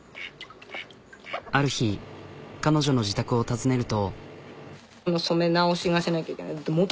ある日彼女の自宅を訪ねると。